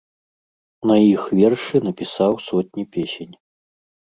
На іх вершы напісаў сотні песень.